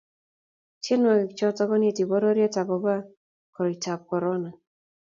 Tienwokik choto koneti pororiet agobo koroitab korona